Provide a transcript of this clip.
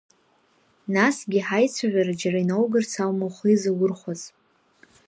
Насгьы ҳаицәажәара џьара иноугарц аума ухы изаурхәаз?